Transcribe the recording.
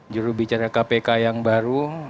jurubicara kpk yang baru